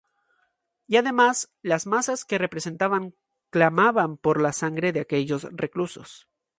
Y además, las masas que representaban clamaban por la sangre de aquellos reclusos.